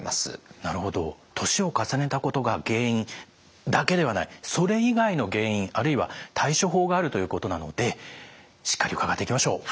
なるほど年を重ねたことが原因だけではないそれ以外の原因あるいは対処法があるということなのでしっかり伺っていきましょう。